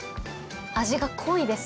味が濃いです